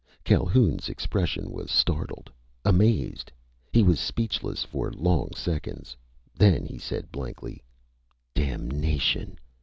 Calhoun's expression was startled; amazed. He was speechless for long seconds. Then he said blankly: "Damnation!